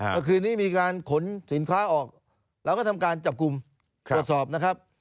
เมื่อคืนนี้มีการขนสินค้าออกเราก็ทำการจับกลุ่มตรวจสอบนะครับ